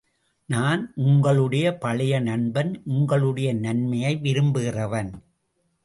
நான் உங்களுடைய பழைய நண்பன், உங்களுடைய நன்மையை விரும்புகிறவன்.